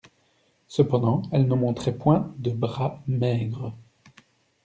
Cependant elle ne montrait point de bras maigres.